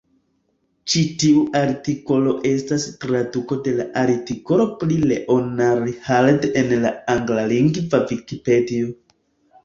Ĉi tiu artikolo estas traduko de la artikolo pri Leonhard en la anglalingva Vikipedio.